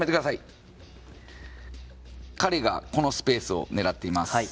彼がこのスペースを狙っています。